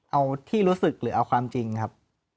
เอาที่รู้สึกหรือเอาความจริงครับ